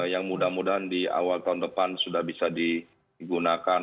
yang mudah mudahan di awal tahun depan sudah bisa digunakan